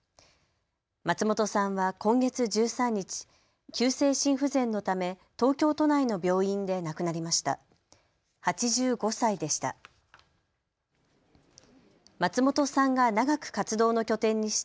松本さんは今月１３日、急性心不全のため東京都内の病院で亡くなりました。